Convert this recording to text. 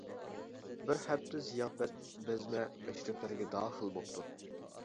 بىر ھەپتە زىياپەت، بەزمە، مەشرەپلەرگە داخىل بوپتۇ.